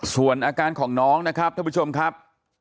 ส่วนอาการของน้องนะครับท่านผู้ชมครับ